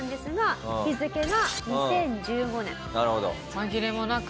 紛れもなく。